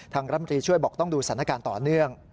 รมตรีช่วยบอกต้องดูสถานการณ์ต่อเนื่อง